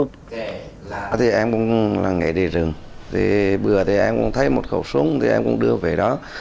em cũng là nghệ địa dương bữa em cũng thấy một khẩu súng thì em cũng đưa về đó